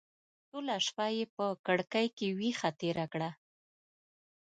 ټوله شپه یې په کړکۍ کې ویښه تېره کړه.